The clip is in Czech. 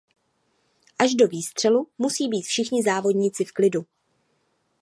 Až do výstřelu musí být všichni závodníci v klidu.